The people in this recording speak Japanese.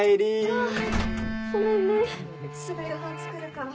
あごめんねすぐ夕飯作るから。